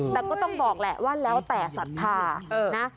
แต่ก็ต้องบอกแหละว่าแล้วแต่ศรัทธานะ